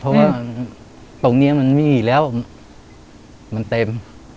เพราะว่าตรงนี้มันไม่มีแล้วมันเต็ม